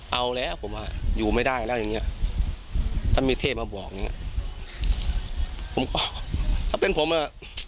เอาแล้วผมอ่ะอยู่ไม่ได้แล้วอย่างเงี้ยถ้ามีเทพมาบอกอย่างเงี้ยผมก็ถ้าเป็นผมอ่ะ